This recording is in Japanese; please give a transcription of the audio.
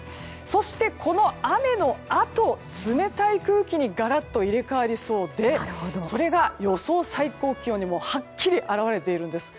そして、この雨のあと冷たい空気にがらっと入れ替わりそうでそれが予想最高気温にもはっきり表れているんです。